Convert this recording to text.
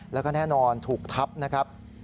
แล้วก็แน่นอนถูกทับนะครับ